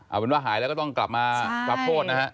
เอาเป็นว่าหายแล้วก็ต้องกลับมารับโทษนะฮะ